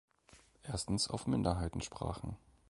Erstens auf Minderheitensprachen.